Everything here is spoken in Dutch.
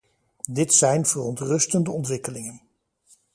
Dit zijn verontrustende ontwikkelingen.